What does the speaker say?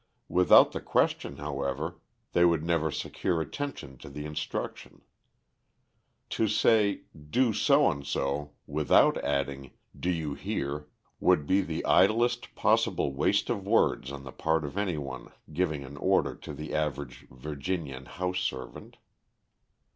Without the question, however, they would never secure attention to the instruction. To say, "do so and so," without adding, "do you hear?" would be the idlest possible waste of words on the part of any one giving an order to the average Virginian house servant.